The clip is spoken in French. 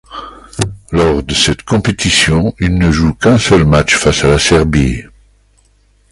Lors de cette compétition, il ne joue qu'un seul match, face à la Serbie.